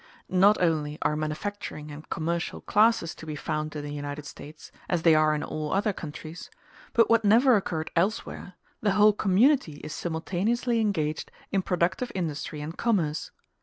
Not only are manufacturing and commercial classes to be found in the United States, as they are in all other countries; but what never occurred elsewhere, the whole community is simultaneously engaged in productive industry and commerce.